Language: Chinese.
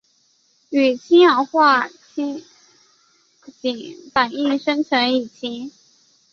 与氰化氢反应生成乙腈。